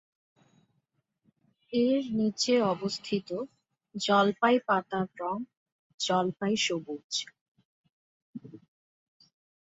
এর নিচে অবস্থিত জলপাই পাতার রঙ জলপাই সবুজ।